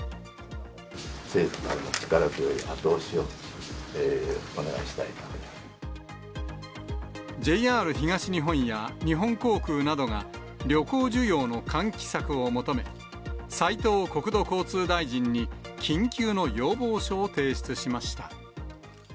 政府からの力添え、ＪＲ東日本や日本航空などが、旅行需要の喚起策を求め、斉藤国土交通大臣に緊急の要望書を提出しました。